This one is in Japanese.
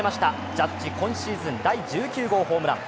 ジャッジ、今シーズン第１９号ホームラン。